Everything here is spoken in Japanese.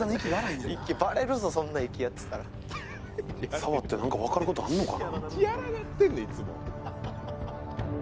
触って何か分かることあんのかな？